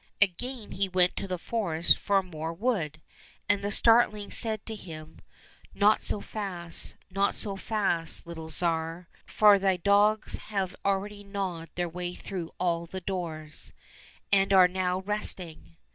Again he went to the forest for more wood, and the starling said to him, " Not so fast, not so fast, little Tsar, for thy dogs have already gnawed their way through all the doors, and are now resting